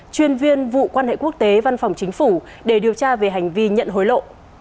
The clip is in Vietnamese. chuyên viên vụ quan hệ quốc tế văn phòng chính phủ để điều tra về hành vi nhận hối lộ